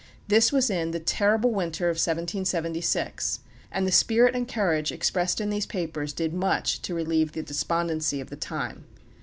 This was in the terrible winter of 1776, and the spirit and courage expressed in these papers did much to relieve the despondency of the time.